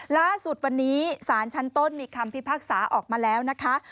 ล่าสุดวันนี้สารชั้นต้นมีคำพิพากษาออกมาแล้วนะคะ